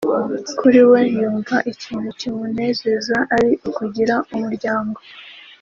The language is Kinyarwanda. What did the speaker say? Kuri we yumva ikintu kimunezeza ari ukugira umuryango